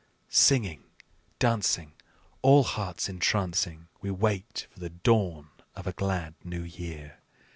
Singing, dancing, All hearts entrancing, We wait for the dawn of a glad new year.